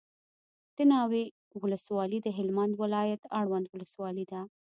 دناوی ولسوالي دهلمند ولایت اړوند ولسوالي ده